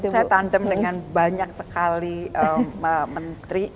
saya tandem dengan banyak sekali menteri